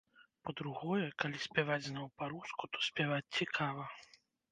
Па-другое, калі спяваць зноў па-руску, то спяваць цікава.